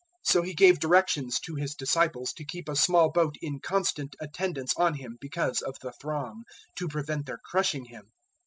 003:009 So He gave directions to His disciples to keep a small boat in constant attendance on Him because of the throng to prevent their crushing Him.